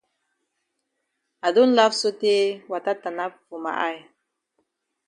I don laf sotay wata tanap for ma eye.